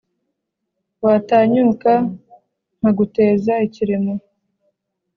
watanyuka nkaguteza ikiremo,